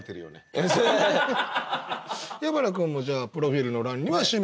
矢花君もじゃあプロフィールの欄には趣味。